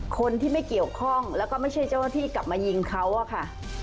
คนที่ไม่เกี่ยวข้องแล้วก็ไม่ใช่เจ้าหน้าที่กลับมายิงเขาอะค่ะ